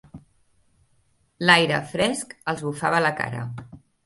L'aire fresc els bufava a la cara.